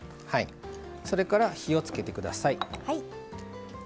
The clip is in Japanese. それから火を付けてください。